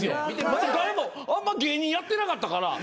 誰もあんま芸人やってなかったから。